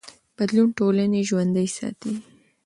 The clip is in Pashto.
بدلون ټولنې ژوندي ساتي